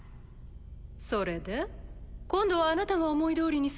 それで？今度はあなたが思いどおりにするの？